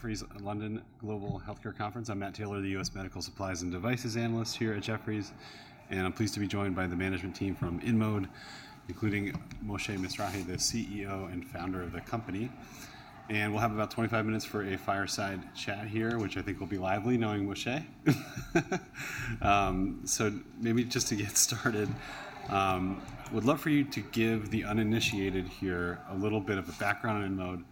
Jefferies London Global Healthcare Conference. I'm Matt Taylor, the U.S. Medical Supplies and Devices Analyst here at Jefferies, and I'm pleased to be joined by the management team from InMode, including Moshe Mizrahy, the CEO and founder of the company. And we'll have about 25 minutes for a fireside chat here, which I think will be lively, knowing Moshe. So maybe just to get started, I would love for you to give the uninitiated here a little bit of a background on InMode.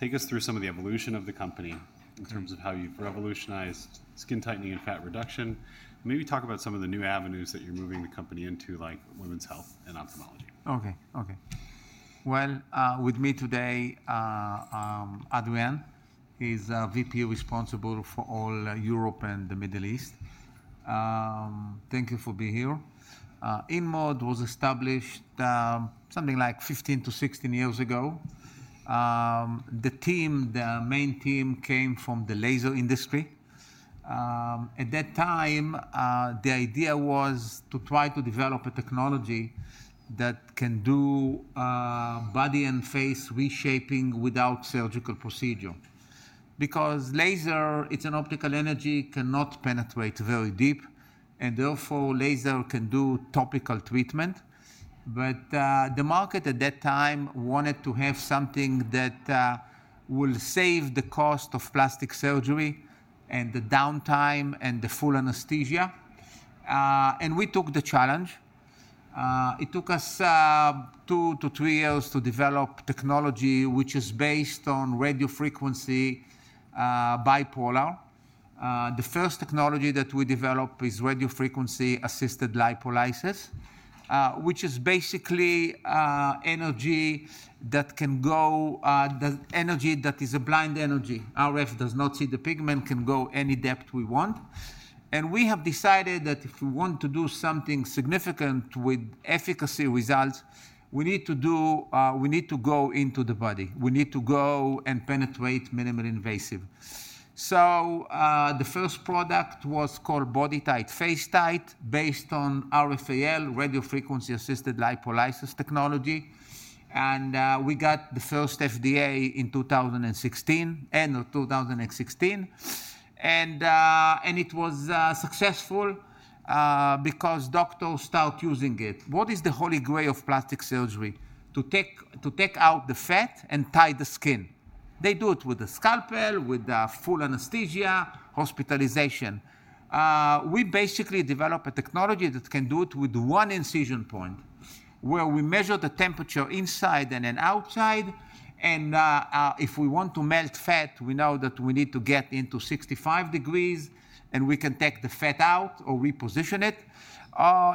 Take us through some of the evolution of the company in terms of how you've revolutionized skin tightening and fat reduction, and maybe talk about some of the new avenues that you're moving the company into, like women's health and ophthalmology. Okay, okay, well, with me today, Adrian is VP responsible for all Europe and the Middle East. Thank you for being here. InMode was established something like 15-16 years ago. The team, the main team, came from the laser industry. At that time, the idea was to try to develop a technology that can do body and face reshaping without surgical procedure. Because laser, it's an optical energy, cannot penetrate very deep, and therefore laser can do topical treatment. But the market at that time wanted to have something that will save the cost of plastic surgery and the downtime and the full anesthesia. We took the challenge. It took us two to three years to develop technology which is based on radiofrequency bipolar. The first technology that we developed is radiofrequency-assisted lipolysis, which is basically energy that can go, the energy that is a blind energy. RF does not see the pigment. It can go any depth we want. We have decided that if we want to do something significant with efficacy results, we need to do, we need to go into the body. We need to go and penetrate minimally invasive. The first product was called BodyTite, FaceTite based on RFAL, radiofrequency-assisted lipolysis technology. We got the first FDA in 2016, end of 2016. It was successful because doctors start using it. What is the holy grail of plastic surgery? To take out the fat and tie the skin. They do it with a scalpel, with full anesthesia, hospitalization. We basically developed a technology that can do it with one incision point, where we measure the temperature inside and then outside. If we want to melt fat, we know that we need to get into 65 degrees and we can take the fat out or reposition it.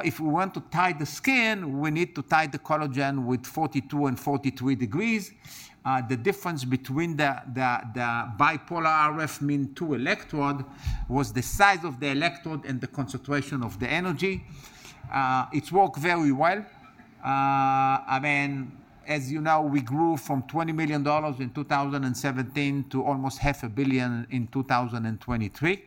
If we want to tighten the skin, we need to tighten the collagen with 42 and 43 degrees. The difference between the Bipolar RF, meaning two electrodes, was the size of the electrode and the concentration of the energy. It's worked very well. I mean, as you know, we grew from $20 million in 2017 to almost $500 million in 2023.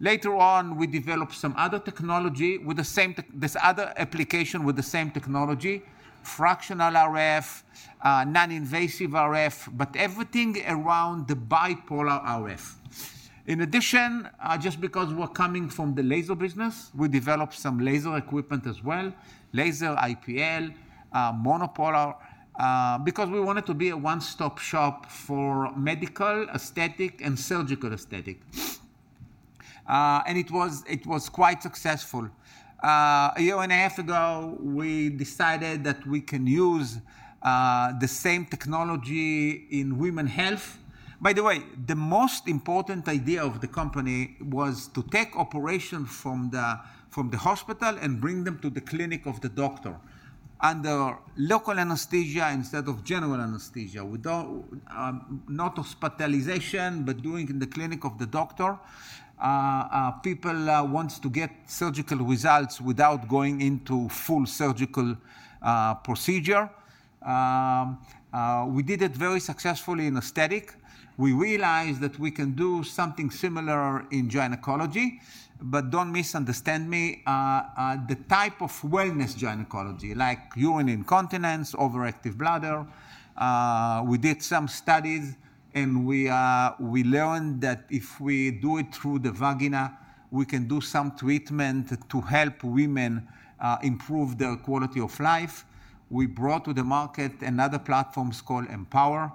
Later on, we developed some other technology with the same, this other application with the same technology, Fractional RF, Non-invasive RF, but everything around the Bipolar RF. In addition, just because we're coming from the laser business, we developed some laser equipment as well, laser IPL, monopolar, because we wanted to be a one-stop shop for medical aesthetic and surgical aesthetic. It was quite successful. A year and a half ago, we decided that we can use the same technology in women's health. By the way, the most important idea of the company was to take operations from the hospital and bring them to the clinic of the doctor under local anesthesia instead of general anesthesia. Not hospitalization, but doing it in the clinic of the doctor. People want to get surgical results without going into full surgical procedure. We did it very successfully in aesthetic. We realized that we can do something similar in gynecology, but don't misunderstand me, the type of wellness gynecology, like urinary incontinence, overactive bladder. We did some studies and we learned that if we do it through the vagina, we can do some treatment to help women improve their quality of life. We brought to the market another platform called Empower,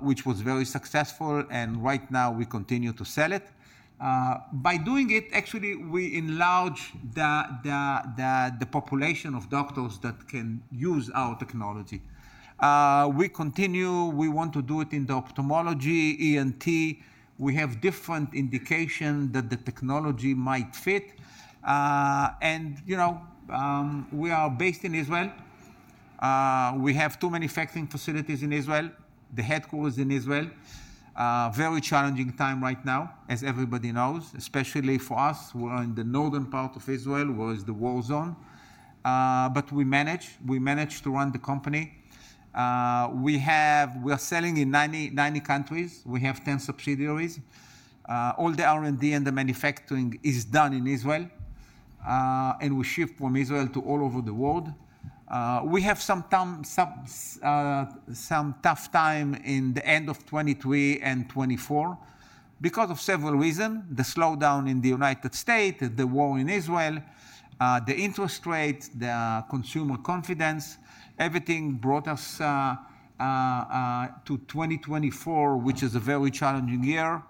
which was very successful, and right now we continue to sell it. By doing it, actually, we enlarge the population of doctors that can use our technology. We continue. We want to do it in the ophthalmology, ENT. We have different indications that the technology might fit, and you know, we are based in Israel. We have two manufacturing facilities in Israel. The headquarters is in Israel. Very challenging time right now, as everybody knows, especially for us. We're in the northern part of Israel, where it's the war zone. But we managed, we managed to run the company. We have, we're selling in 90 countries. We have 10 subsidiaries. All the R&D and the manufacturing is done in Israel, and we ship from Israel to all over the world. We had some tough times at the end of 2023 and 2024 because of several reasons. The slowdown in the United States, the war in Israel, the interest rates, the consumer confidence, everything brought us to 2024, which is a very challenging year.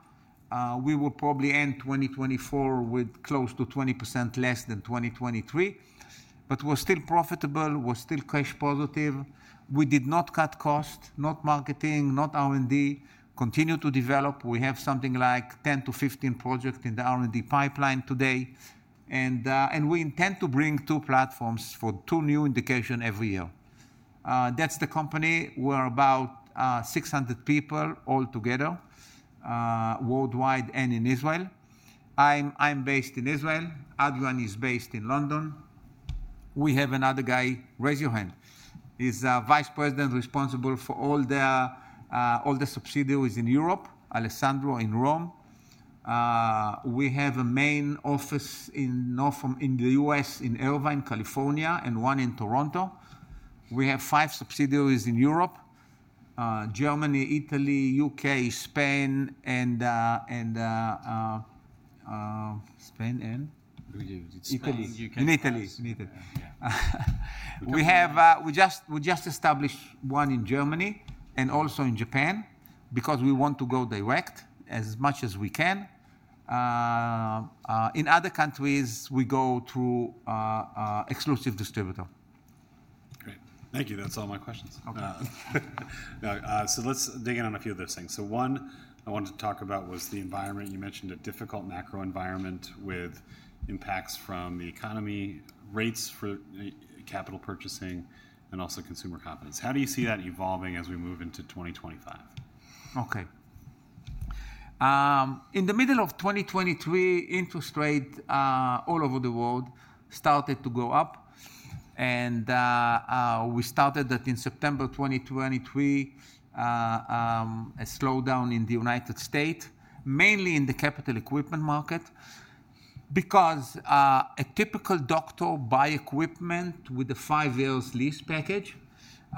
We will probably end 2024 with close to 20% less than 2023, but we're still profitable, we're still cash positive. We did not cut costs, not marketing, not R&D. Continue to develop. We have something like 10 to 15 projects in the R&D pipeline today, and we intend to bring two platforms for two new indications every year. That's the company. We're about 600 people altogether, worldwide and in Israel. I'm based in Israel. Adrian is based in London. We have another guy, raise your hand. He's a Vice President responsible for all the subsidiaries in Europe, Alessandro in Rome. We have a main office in the U.S. in Irvine, California, and one in Toronto. We have five subsidiaries in Europe: Germany, Italy, UK, and Spain. We just established one in Germany and also in Japan because we want to go direct as much as we can. In other countries, we go through exclusive distributor. Great. Thank you. That's all my questions. Okay. So let's dig in on a few of those things. So one I wanted to talk about was the environment. You mentioned a difficult macro environment with impacts from the economy, rates for capital purchasing, and also consumer confidence. How do you see that evolving as we move into 2025? Okay. In the middle of 2023, interest rates all over the world started to go up, and we started that in September 2023, a slowdown in the United States, mainly in the capital equipment market, because a typical doctor buys equipment with a five-year lease package.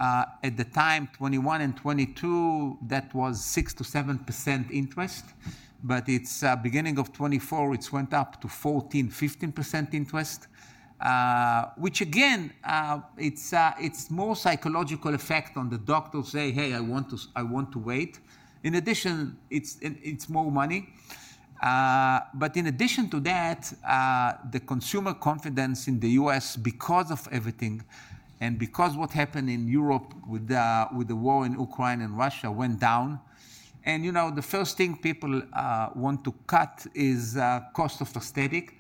At the time, 2021 and 2022, that was 6-7% interest, but at the beginning of 2024, it went up to 14-15% interest, which again, it's more psychological effect on the doctor saying, "Hey, I want to wait." In addition, it's more money. But in addition to that, the consumer confidence in the U.S. because of everything and because of what happened in Europe with the war in Ukraine and Russia went down, and you know, the first thing people want to cut is cost of aesthetic.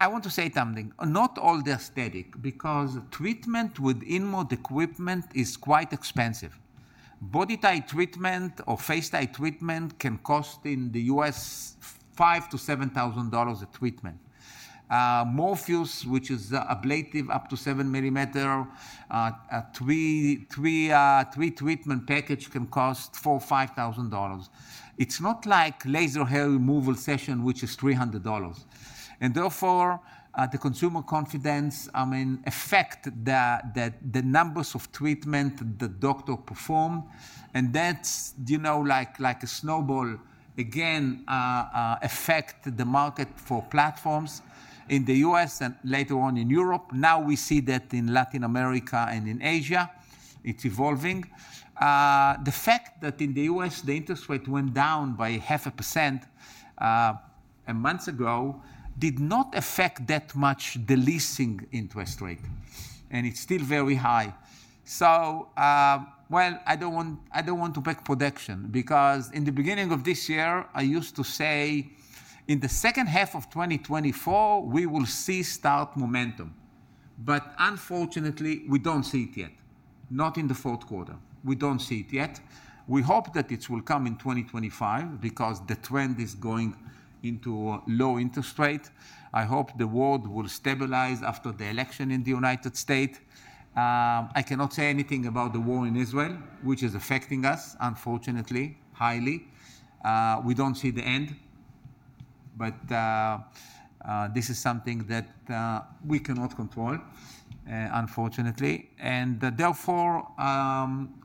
I want to say something. Not all the aesthetic, because treatment with InMode equipment is quite expensive. BodyTite treatment or FaceTite treatment can cost in the U.S. $5,000-$7,000 a treatment. Morpheus, which is ablative up to 7 millimeter, three treatment packages can cost $4,000-$5,000. It's not like laser hair removal session, which is $300. And therefore, the consumer confidence, I mean, affects the numbers of treatments the doctor performed. And that's, you know, like a snowball, again, affects the market for platforms in the U.S. and later on in Europe. Now we see that in Latin America and in Asia. It's evolving. The fact that in the U.S., the interest rate went down by 0.5% a month ago did not affect that much the leasing interest rate. And it's still very high. I don't want to backtrack on prediction because in the beginning of this year, I used to say in the second half of 2024, we will start to see momentum. Unfortunately, we don't see it yet. Not in the fourth quarter. We don't see it yet. We hope that it will come in 2025 because the trend is going into low interest rates. I hope the world will stabilize after the election in the United States. I cannot say anything about the war in Israel, which is affecting us, unfortunately, highly. We don't see the end, but this is something that we cannot control, unfortunately. Therefore,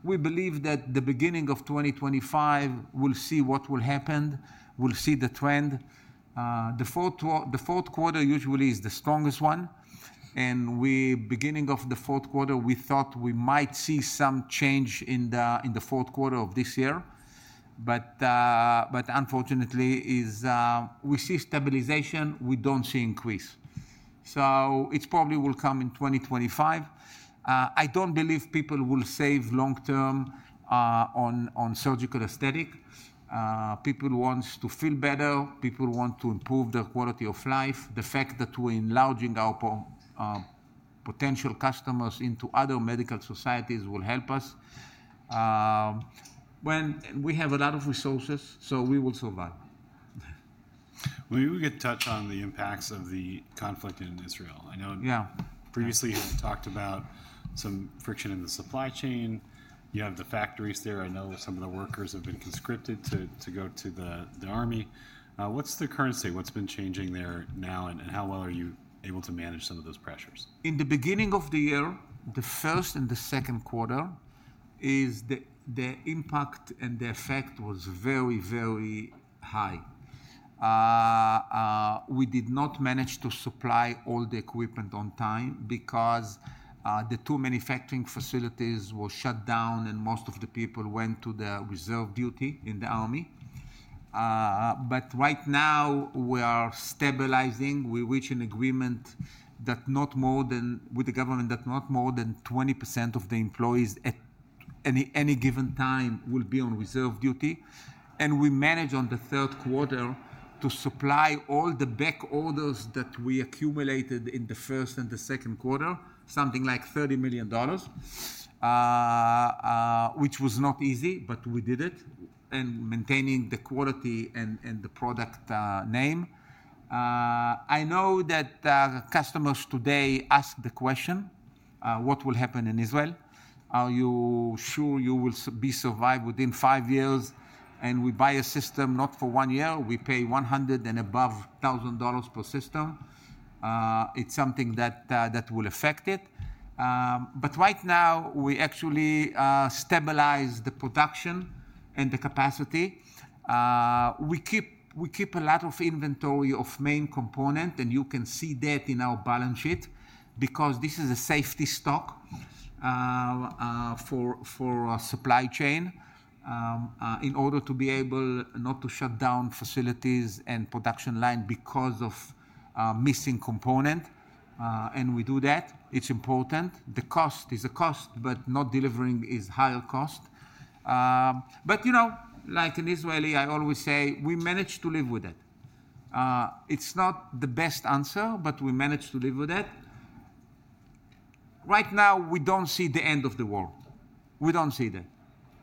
we believe that the beginning of 2025, we'll see what will happen. We'll see the trend. The fourth quarter usually is the strongest one. At the beginning of the fourth quarter, we thought we might see some change in the fourth quarter of this year. Unfortunately, we see stabilization. We don't see increase. It probably will come in 2025. I don't believe people will save long-term on surgical aesthetic. People want to feel better. People want to improve their quality of life. The fact that we're enlarging our potential customers into other medical societies will help us. We have a lot of resources, so we will survive. We will touch on the impacts of the conflict in Israel. I know previously you had talked about some friction in the supply chain. You have the factories there. I know some of the workers have been conscripted to go to the army. What's the current state? What's been changing there now? And how well are you able to manage some of those pressures? In the beginning of the year, the first and the second quarter, the impact and the effect was very, very high. We did not manage to supply all the equipment on time because the two manufacturing facilities were shut down and most of the people went to the reserve duty in the army, but right now, we are stabilizing. We reached an agreement with the government that not more than 20% of the employees at any given time will be on reserve duty, and we managed on the third quarter to supply all the back orders that we accumulated in the first and the second quarter, something like $30 million, which was not easy, but we did it, maintaining the quality and the product name. I know that customers today ask the question, what will happen in Israel? Are you sure you will survive within five years? And we buy a system not for one year. We pay $100 and above $1,000 per system. It's something that will affect it. But right now, we actually stabilize the production and the capacity. We keep a lot of inventory of main components, and you can see that in our balance sheet because this is a safety stock for our supply chain in order to be able not to shut down facilities and production lines because of missing components. And we do that. It's important. The cost is a cost, but not delivering is higher cost. But you know, like an Israeli I always say, we managed to live with it. It's not the best answer, but we managed to live with it. Right now, we don't see the end of the war. We don't see that.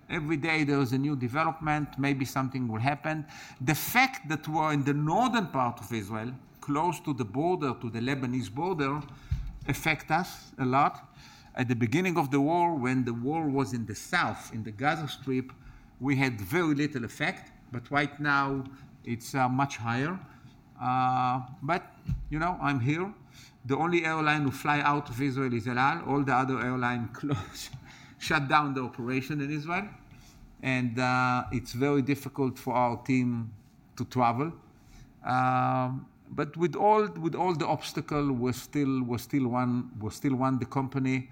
Every day there is a new development. Maybe something will happen. The fact that we're in the northern part of Israel, close to the border, to the Lebanese border, affects us a lot. At the beginning of the war, when the war was in the south, in the Gaza Strip, we had very little effect, but right now it's much higher, but you know, I'm here. The only airline we fly out of Israel is El Al. All the other airlines closed, shut down the operation in Israel, and it's very difficult for our team to travel. But with all the obstacles, we still run the company.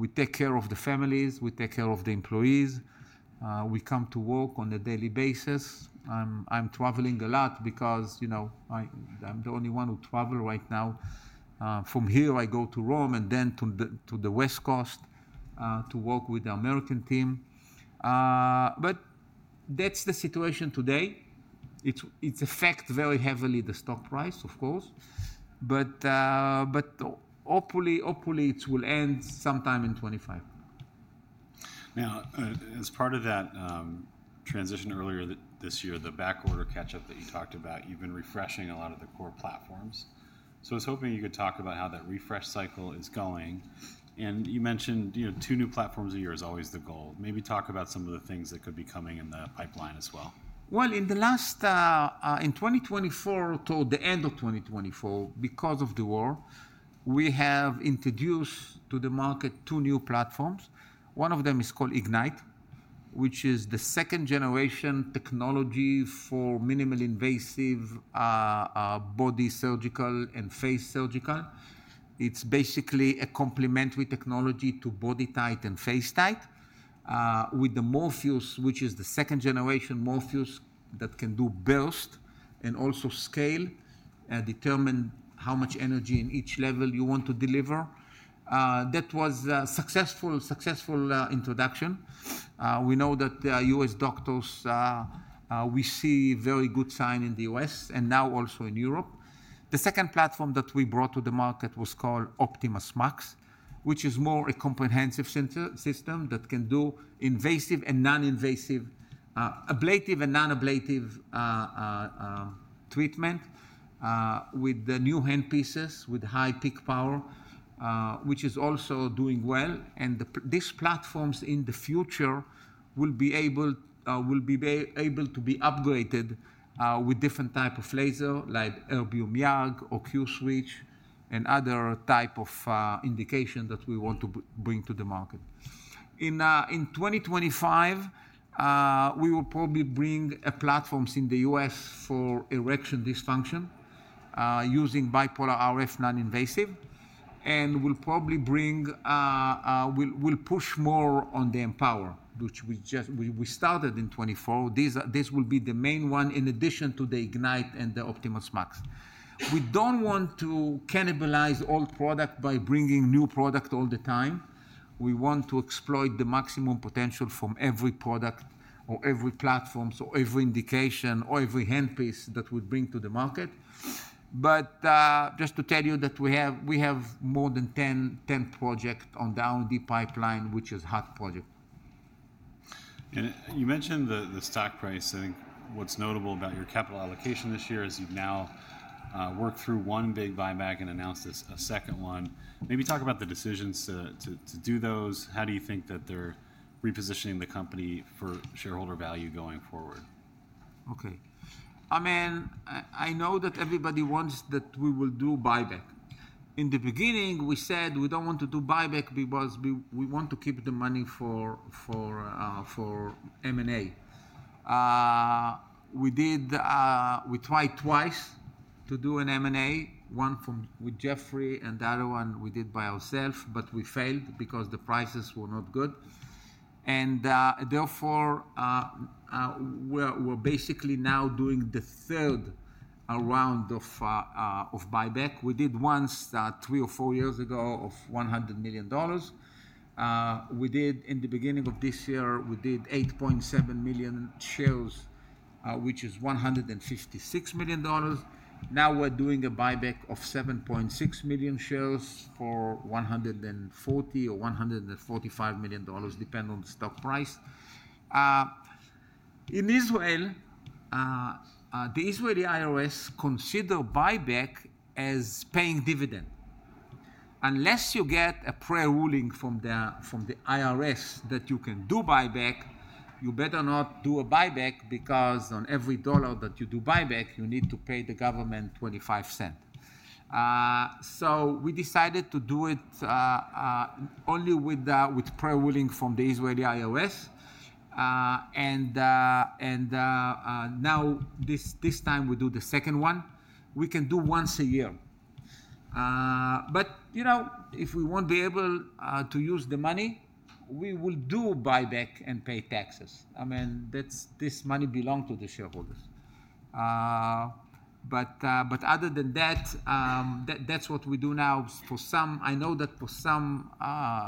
We take care of the families. We take care of the employees. We come to work on a daily basis. I'm traveling a lot because you know I'm the only one who travels right now. From here, I go to Rome and then to the West Coast to work with the American team. But that's the situation today. It's affected very heavily the stock price, of course. But hopefully, it will end sometime in 2025. Now, as part of that transition earlier this year, the back order catch-up that you talked about, you've been refreshing a lot of the core platforms. So I was hoping you could talk about how that refresh cycle is going. And you mentioned two new platforms a year is always the goal. Maybe talk about some of the things that could be coming in the pipeline as well. In 2024 to the end of 2024, because of the war, we have introduced to the market two new platforms. One of them is called Ignite, which is the second-generation technology for minimally invasive body surgical and face surgical. It's basically a complementary technology to BodyTite and FaceTite with the Morpheus, which is the second-generation Morpheus that can do burst and also scale and determine how much energy in each level you want to deliver. That was a successful introduction. We know that U.S. doctors, we see very good signs in the U.S. and now also in Europe. The second platform that we brought to the market was called OptimasMAX, which is more a comprehensive system that can do invasive and non-invasive, ablative and non-ablative treatment with the new handpieces with high peak power, which is also doing well. These platforms in the future will be able to be upgraded with different types of laser like Erbium YAG or Q-Switch and other types of indications that we want to bring to the market. In 2025, we will probably bring platforms in the U.S. for erectile dysfunction using Bipolar RF non-invasive. We'll probably bring, we'll push more on the Empower, which we started in 2024. This will be the main one in addition to the Ignite and the OptimasMAX. We don't want to cannibalize old product by bringing new product all the time. We want to exploit the maximum potential from every product or every platform or every indication or every handpiece that we bring to the market. Just to tell you that we have more than 10 projects on the R&D pipeline, which is a hot project. You mentioned the stock price. I think what's notable about your capital allocation this year is you've now worked through one big buyback and announced a second one. Maybe talk about the decisions to do those. How do you think that they're repositioning the company for shareholder value going forward? Okay. I mean, I know that everybody wants that we will do buyback. In the beginning, we said we don't want to do buyback because we want to keep the money for M&A. We tried twice to do an M&A, one with Jefferies and the other one we did by ourselves, but we failed because the prices were not good. And therefore, we're basically now doing the third round of buyback. We did once three or four years ago of $100 million. In the beginning of this year, we did 8.7 million shares, which is $156 million. Now we're doing a buyback of 7.6 million shares for $140 million or $145 million, depending on the stock price. In Israel, the Israeli IRS considers buyback as paying dividend. Unless you get a prior ruling from the IRS that you can do buyback, you better not do a buyback because on every $1 that you do buyback, you need to pay the government $0.25. So we decided to do it only with prior ruling from the Israeli IRS. And now this time we do the second one. We can do once a year. But you know, if we won't be able to use the money, we will do buyback and pay taxes. I mean, this money belongs to the shareholders. But other than that, that's what we do now. I know that for some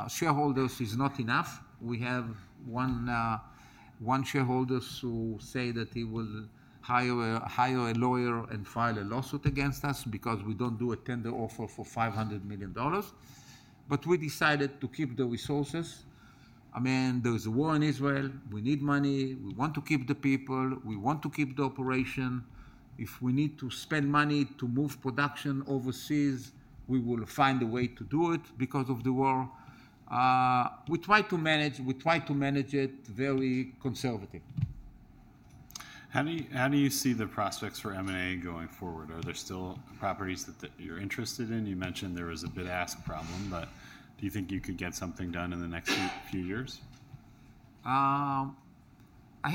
shareholders it's not enough. We have one shareholder who said that he will hire a lawyer and file a lawsuit against us because we don't do a tender offer for $500 million. But we decided to keep the resources. I mean, there is a war in Israel. We need money. We want to keep the people. We want to keep the operation. If we need to spend money to move production overseas, we will find a way to do it because of the war. We try to manage it very conservatively. How do you see the prospects for M&A going forward? Are there still properties that you're interested in? You mentioned there was a bid-ask problem, but do you think you could get something done in the next few years? I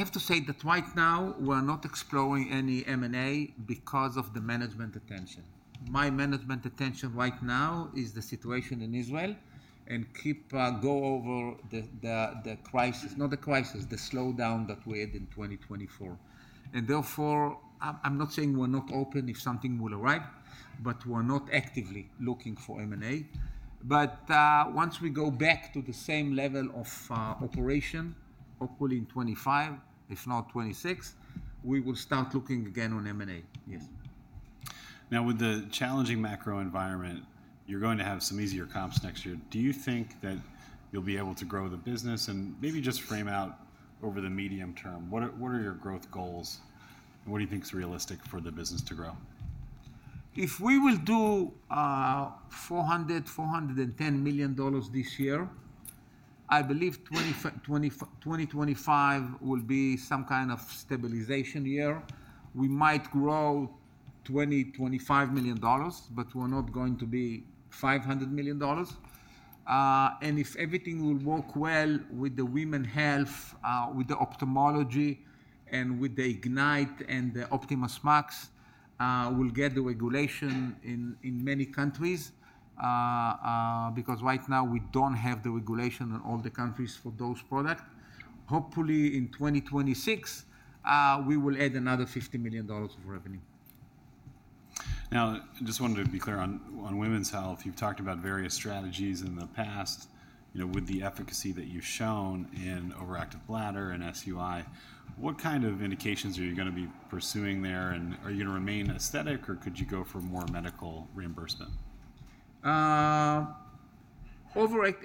have to say that right now, we're not exploring any M&A because of the management attention. My management attention right now is the situation in Israel and go over the crisis, not the crisis, the slowdown that we had in 2024, and therefore, I'm not saying we're not open if something will arrive, but we're not actively looking for M&A, but once we go back to the same level of operation, hopefully in 2025, if not 2026, we will start looking again on M&A. Yes. Now, with the challenging macro environment, you're going to have some easier comps next year. Do you think that you'll be able to grow the business? And maybe just frame out over the medium term, what are your growth goals? And what do you think is realistic for the business to grow? If we will do $410 million this year, I believe 2025 will be some kind of stabilization year. We might grow $20 million-$25 million, but we're not going to be $500 million, and if everything will work well with the women's health, with the ophthalmology, and with the Ignite and the OptimasMAX, we'll get the regulation in many countries because right now we don't have the regulation in all the countries for those products. Hopefully in 2026, we will add another $50 million of revenue. Now, I just wanted to be clear on women's health. You've talked about various strategies in the past with the efficacy that you've shown in overactive bladder and SUI. What kind of indications are you going to be pursuing there? And are you going to remain aesthetic, or could you go for more medical reimbursement? Now we're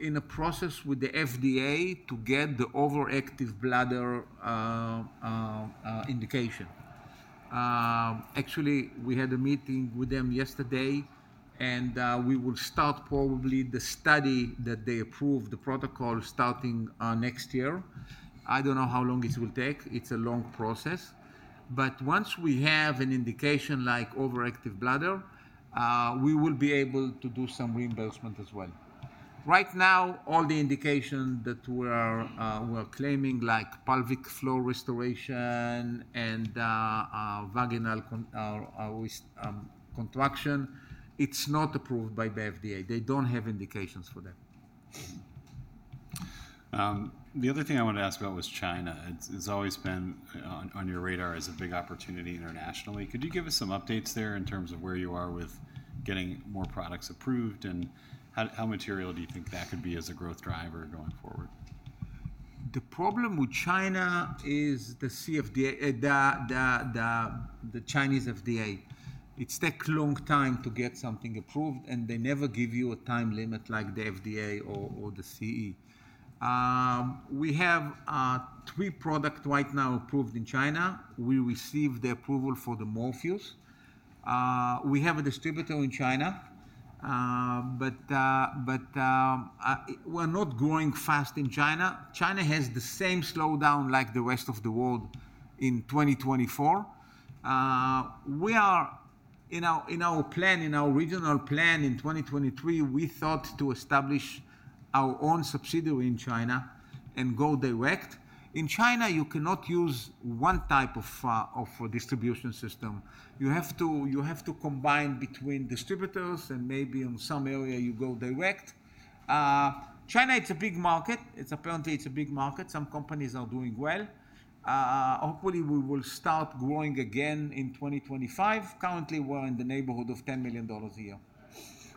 in a process with the FDA to get the overactive bladder indication. Actually, we had a meeting with them yesterday, and we will start probably the study that they approve, the protocol, starting next year. I don't know how long it will take. It's a long process. But once we have an indication like overactive bladder, we will be able to do some reimbursement as well. Right now, all the indications that we're claiming, like pelvic floor restoration and vaginal contraction, it's not approved by the FDA. They don't have indications for that. The other thing I wanted to ask about was China. It's always been on your radar as a big opportunity internationally. Could you give us some updates there in terms of where you are with getting more products approved? And how material do you think that could be as a growth driver going forward? The problem with China is the Chinese FDA. It takes a long time to get something approved, and they never give you a time limit like the FDA or the CE. We have three products right now approved in China. We received the approval for the Morpheus. We have a distributor in China, but we're not growing fast in China. China has the same slowdown like the rest of the world in 2024. In our plan, in our regional plan in 2023, we thought to establish our own subsidiary in China and go direct. In China, you cannot use one type of distribution system. You have to combine between distributors and maybe in some area you go direct. China, it's a big market. Apparently, it's a big market. Some companies are doing well. Hopefully, we will start growing again in 2025. Currently, we're in the neighborhood of $10 million a year.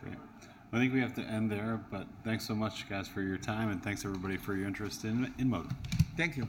Great. I think we have to end there, but thanks so much, guys, for your time, and thanks, everybody, for your interest in InMode. Thank you.